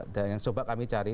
dan yang coba kami cari